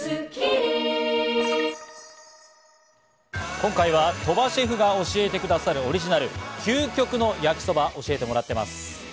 今回は鳥羽シェフが教えてくださるオリジナル究極の焼きそばを教えてもらっています。